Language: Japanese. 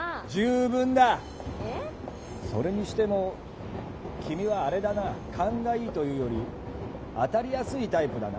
それにしても君はあれだな「カンがいい」というより「あたりやすい」タイプだな。